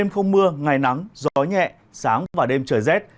không mưa ngày nắng gió nhẹ sáng và đêm trời rét